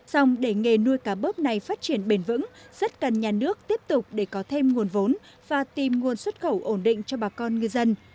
xong để nghề nuôi cá bớp này phát triển bền vững rất cần nhà nước tiếp tục để có thêm nguồn vốn và tìm nguồn xuất khẩu ổn định cho bà con ngư dân